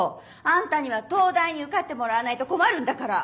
あんたには東大に受かってもらわないと困るんだから。